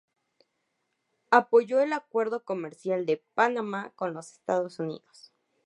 Apoyó el acuerdo comercial de Panamá con los Estados Unidos.